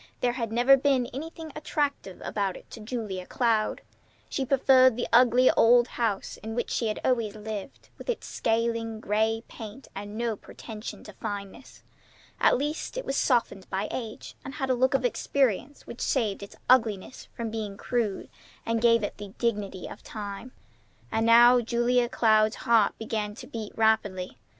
There had never been anything attractive about it to Julia Cloud. She preferred the ugly old house in which she had always lived, with its scaling gray paint and no pretensions to fineness. At least it was softened by age, and had a look of experience which saved its ugliness from being crude, and gave it the dignity of time. And now Julia Cloud's heart began to beat rapidly.